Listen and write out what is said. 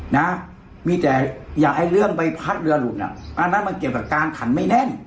นะมีแต่อย่างไอ้เรื่องใบพัดเรือหลุดอ่ะอันนั้นมันเกี่ยวกับการขันไม่แน่น